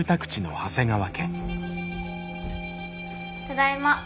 ただいま。